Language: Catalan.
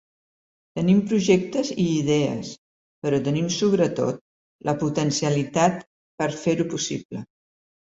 Tenim projectes i idees, però tenim sobretot la potencialitat per fer-ho possible.